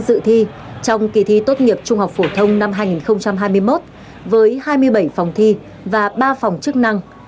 dự thi trong kỳ thi tốt nghiệp trung học phổ thông năm hai nghìn hai mươi một với hai mươi bảy phòng thi và ba phòng chức năng